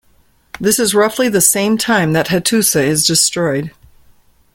This is roughly the same time that Hattusa is destroyed.